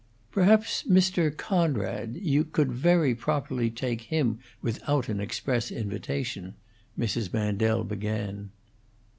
"Perhaps Mr. Conrad you could very properly take him without an express invitation " Mrs. Mandel began.